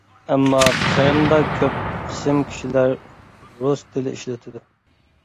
ئەمما قىرىمدا كۆپ قىسىم كىشىلەر رۇس تىلى ئىشلىتىدۇ.